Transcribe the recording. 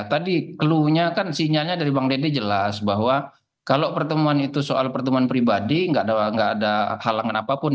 tadi keluhnya kan sinyalnya dari bang denny jelas bahwa kalau pertemuan itu soal pertemuan pribadi nggak ada halangan apapun